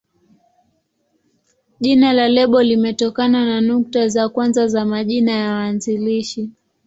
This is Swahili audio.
Jina la lebo limetokana na nukta za kwanza za majina ya waanzilishi.